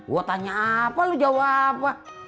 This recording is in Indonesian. gue tanya apa lo jawab